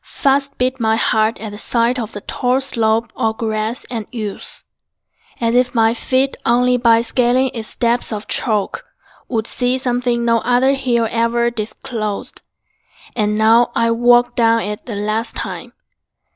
Fast beat My heart at the sight of the tall slope Or grass and yews, as if my feet Only by scaling its steps of chalk Would see something no other hill Ever disclosed. And now I walk Down it the last time.